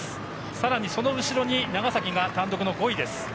さらにその後ろに長崎が単独の５位です。